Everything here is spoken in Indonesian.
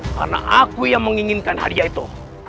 karena aku yang menginginkan hadiah itu